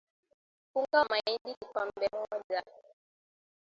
Unga wa mahindi kikombe moja